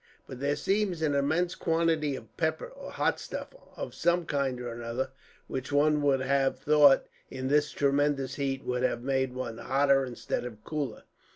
But there seems an immense quantity of pepper, or hot stuff of some kind or other; which one would have thought, in this tremendous heat, would have made one hotter instead of cooler."